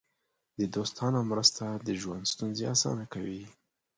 د دوستانو مرسته د ژوند ستونزې اسانه کوي.